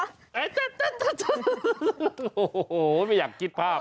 โอ้โหไม่อยากคิดภาพ